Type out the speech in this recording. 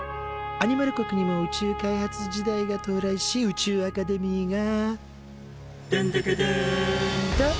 アニマル国にも宇宙開発時代が到来し宇宙アカデミーが「でんでけでん！」と誕生。